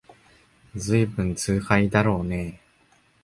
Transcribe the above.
ずいぶん痛快だろうねえ